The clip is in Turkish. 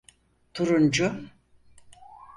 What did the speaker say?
Turuncu…